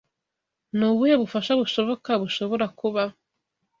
Ni ubuhe bufasha bushoboka bushobora kuba?